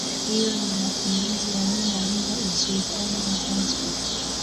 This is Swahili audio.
Hyo ni mapinduzi yaliyomaliza Usultani wa Zanzibar